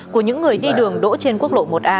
của những người đi đường đỗ trên quốc lộ một a